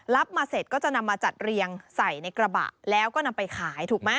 รับมาเสร็จก็จะนำมาจัดเรียงใส่ในกระบะแล้วก็นำไปขายถูกไหม